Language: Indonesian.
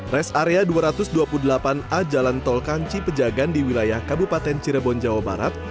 res area dua ratus dua puluh delapan a jalan tol kanci pejagan di wilayah kabupaten cirebon jawa barat